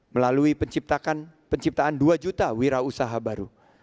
melalui penciptaan dua juta wira usaha baru